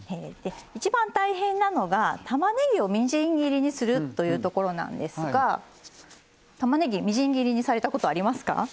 一番大変なのがたまねぎをみじん切りにするというところなんですがたまねぎみじん切りにされたことありますか？